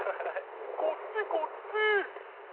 こっちこっち！ふう」。